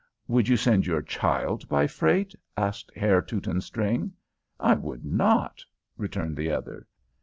"Would you send your child by freight?" asked Herr Teutonstring. "I would not," returned the other.